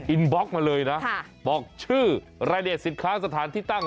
บล็อกมาเลยนะบอกชื่อรายละเอียดสินค้าสถานที่ตั้ง